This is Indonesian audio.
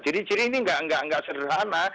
jadi ini enggak sederhana